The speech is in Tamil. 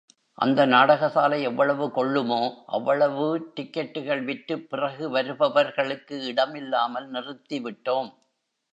அந்த நாடகசாலை எவ்வளவு கொள்ளுமோ அவ்வளவு டிக்கட்டுகள் விற்றுப் பிறகு வருபவர்களுக்கு இடம் இல்லாமல், நிறுத்தி விட்டோம்.